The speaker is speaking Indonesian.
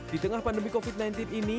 di tengah pandemi covid sembilan belas ini